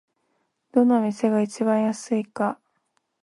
どの店が一番安いか